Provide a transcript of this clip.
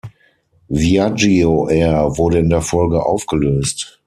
Viaggio Air wurde in der Folge aufgelöst.